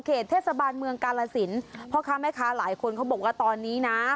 เทศบาลเมืองกาลสินพ่อค้าแม่ค้าหลายคนเขาบอกว่าตอนนี้นะ